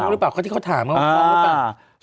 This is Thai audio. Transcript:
พร้อมหรือเปล่าก็ที่เขาถามว่าพร้อมหรือเปล่า